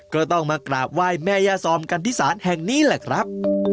ก็ต้องมากราบไหว้แม่ย่าซอมกันที่ศาลแห่งนี้แหละครับ